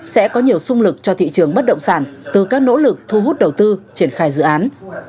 hai nghìn hai mươi một sẽ có nhiều xung lực cho thị trường bất động sản từ các nỗ lực thu hút đầu tư triển khai dự án